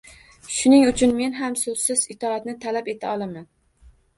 Shuning uchun ham men so‘zsiz itoatni talab eta olaman